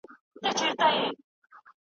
د روس د ملت د مقاومت ځواک ډېر لوړ و.